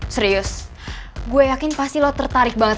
serius gue yakin pasti lo tertarik banget